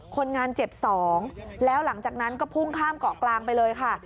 คนงานเจ็บสองแล้วหลังจากนั้นก็พุ่งข้ามเกาะกลางไปเลยค่ะ